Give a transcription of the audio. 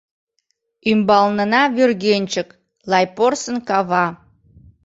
Ӱмбалнына вӱргенчык — Лай порсын кава.